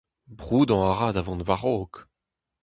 Broudañ a ra da vont war-raok !